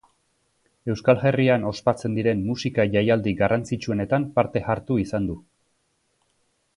Euskal Herrian ospatzen diren musika-jaialdi garrantzitsuenetan parte hartu izan du.